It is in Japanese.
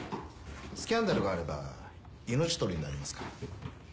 スキャンダルがあれば命取りになりますから。